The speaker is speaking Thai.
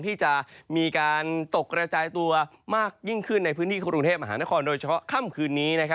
ที่จะมีการตกกระจายตัวมากยิ่งขึ้นในพื้นที่กรุงเทพมหานครโดยเฉพาะค่ำคืนนี้